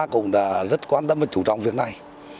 cũng đã rất quan tâm và chú trọng việc này